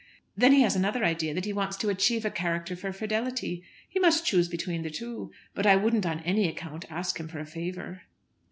Then he has another idea that he wants to achieve a character for fidelity. He must choose between the two. But I wouldn't on any account ask him for a favour."